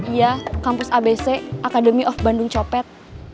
dia kampus abc academy of bandung copet